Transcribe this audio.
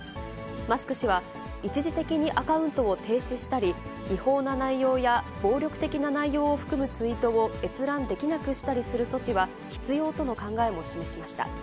マスク氏は、一時的にアカウントを停止したり、違法な内容や暴力的な内容を含むツイートを閲覧できなくしたりする措置は必要との考えも示しました。